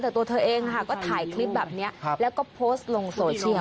แต่ตัวเธอเองก็ถ่ายคลิปแบบนี้แล้วก็โพสต์ลงโซเชียล